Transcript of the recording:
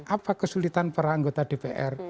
apa kesulitan para anggota dpr